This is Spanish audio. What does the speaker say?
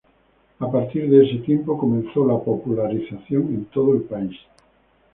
A partir de ese tiempo, comenzó la popularización en todo el país.